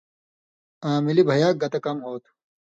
آں ملی بھیاک گتہ کم ہوتُھو۔